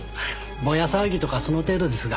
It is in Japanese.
ボヤ騒ぎとかその程度ですが。